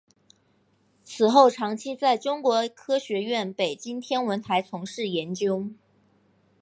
此后长期在中国科学院北京天文台从事研究。